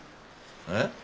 えっ？